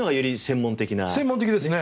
専門的ですね。